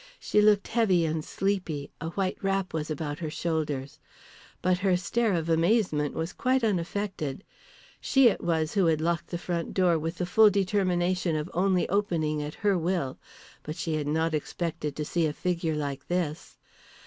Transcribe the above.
She looked heavy and sleepy, a white wrap was about her shoulders. But her stare of amazement was quite unaffected. She it was who had locked the front door with the full determination of only opening at her will. But she had not expected to see a figure like this.